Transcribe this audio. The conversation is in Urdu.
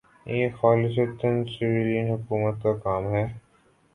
یہ خالصتا سویلین حکومت کا کام ہے۔